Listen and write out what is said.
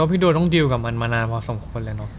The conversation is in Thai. อยู่กับมันมานานพอสมควรเลยเนอะ